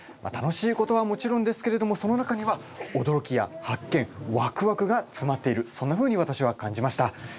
楽しいことはもちろんですけれどもその中にはおどろきや発見わくわくがつまっているそんなふうにわたしは感じました。